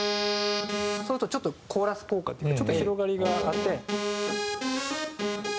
そうするとちょっとコーラス効果というかちょっと広がりがあって。